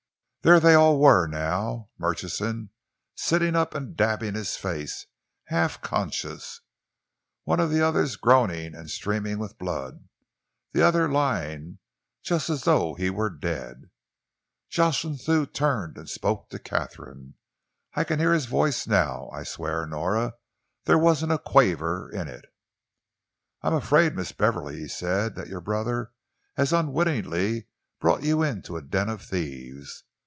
There they all were now Murchison sitting up and dabbing his face, half conscious, one of the others groaning and streaming with blood, the other lying just as though he were dead. Jocelyn turned and spoke to Katharine I can hear his voice now I swear, Nora, there wasn't a quaver in it "'I am afraid, Miss Beverley,' he said, 'that your brother has unwittingly brought you into a den of thieves.